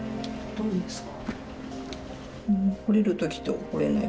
どうですか？